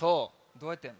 どうやってやるの？